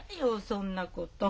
そんなこと！